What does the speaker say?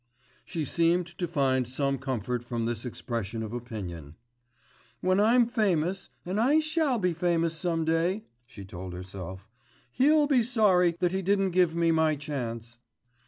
She seemed to find some comfort from this expression of opinion. "When I'm famous, and I shall be famous some day," she told herself, "he'll be sorry that he didn't give me my chance."